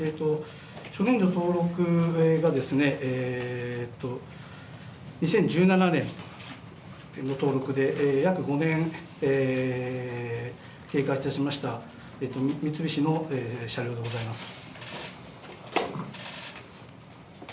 登録が、２０１７年の登録で、約５年経過いたしました三菱の車両でございます。